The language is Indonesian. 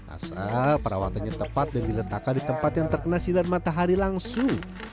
asal perawatannya tepat dan diletakkan di tempat yang terkena sinar matahari langsung